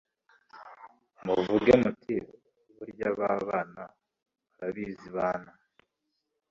Muvuge muti burya ba bana barabizi baana